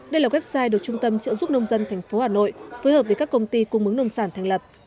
đây là website được trung tâm trợ giúp nông dân tp hà nội phối hợp với các công ty cung mứng nông sản thành lập